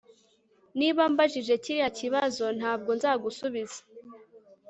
Niba ambajije kiriya kibazo ntabwo nzagusubiza